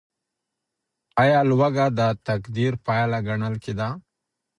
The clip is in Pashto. ايا لوږه د تقدير پايله ګڼل کيده؟